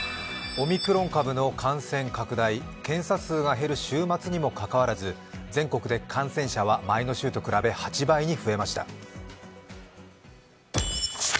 オミクロン株の感染拡大、検査数が減る週末にもかかわらず全国で感染者は前の週と比べ８倍に増えました。